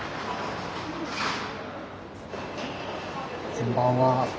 こんばんは。